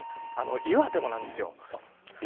岩手もなんですよ。